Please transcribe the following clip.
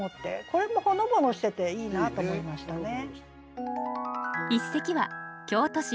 これもほのぼのしてていいなと思いましたね。